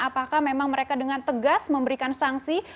apakah memang mereka dengan tegas memberikan sanksi